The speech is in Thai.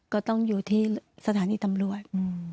ก็ต้องอยู่ที่สถานีตำรวจ